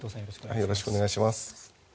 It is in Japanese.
よろしくお願いします。